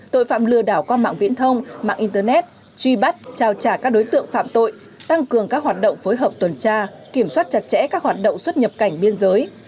tội phạm lừa đảo qua mạng viễn thông mạng internet truy bắt trao trả các đối tượng phạm tội tăng cường các hoạt động phối hợp tuần tra kiểm soát chặt chẽ các hoạt động xuất nhập cảnh biên giới